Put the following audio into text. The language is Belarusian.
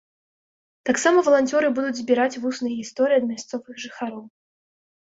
Таксама валанцёры будуць збіраць вусныя гісторыі ад мясцовых жыхароў.